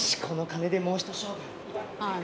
この金でもう一勝負。